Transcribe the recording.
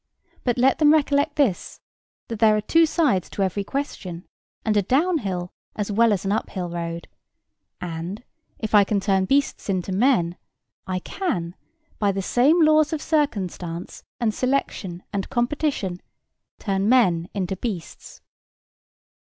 But let them recollect this, that there are two sides to every question, and a downhill as well as an uphill road; and, if I can turn beasts into men, I can, by the same laws of circumstance, and selection, and competition, turn men into beasts.